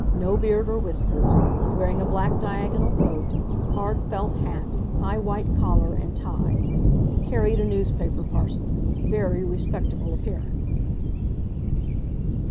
No beard or whiskers. Wearing a black diagonal coat, hard felt hat, high white collar, and tie. Carried a newspaper parcel. Very respectable appearance."